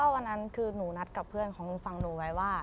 วันนั้นคือหนูนัดกับเพื่อนของลุงฟังหนูไว้ว่า